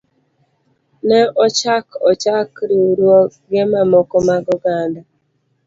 Ne ochak ochak riwruoge mamoko mag oganda.